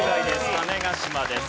種子島です。